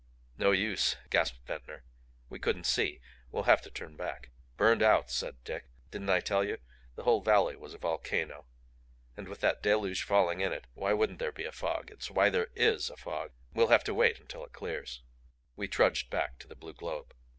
"No use," gasped Ventnor. "We couldn't see. We'll have to turn back." "Burned out!" said Dick. "Didn't I tell you? The whole valley was a volcano. And with that deluge falling in it why wouldn't there be a fog? It's why there IS a fog. We'll have to wait until it clears." We trudged back to the blue globe.